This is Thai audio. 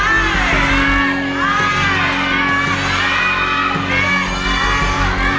ไม่ใช้